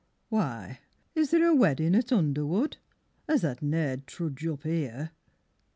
Why, is there a weddin' at Underwood, As tha ne'd trudge up here?